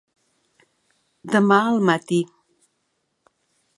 Demà al matí.